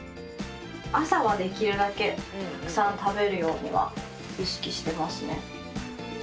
朝はできるだけたくさん食べるようには意識してますね。